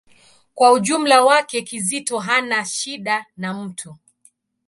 Kwa ujumla wake, Kizito hana shida na mtu.